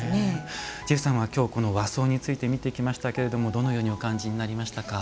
ジェフさんは、和装について見ていきましたがどのようにお感じになりましたか？